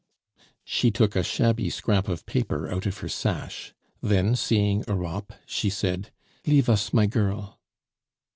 She took a shabby scrap of paper out of her sash; then seeing Europe, she said, "Leave us, my girl."